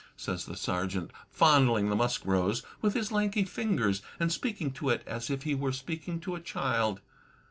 says the Sergeant, fondling the musk rose with his lanky fingers, and speaking to it as if he were speaking to a child.